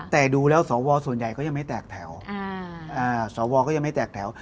แต่ดูแล้วสวส่วนใหญ่ก็ยังไม่แตกแถว